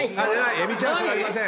エビチャーシューありません。